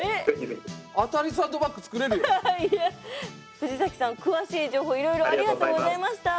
藤崎さん詳しい情報いろいろありがとうございました。